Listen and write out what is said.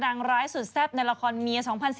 นางร้ายสุดแซ่บในละครเมีย๒๐๑๘